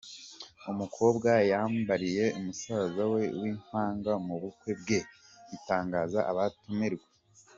umukobwa yambariye musaza we w’impanga mu bukwe bwe , bitangaza abatumirwa .